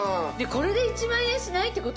これで１万円しないって事？